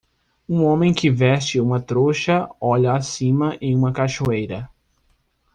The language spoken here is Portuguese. Um homem que veste uma trouxa olha acima em uma cachoeira.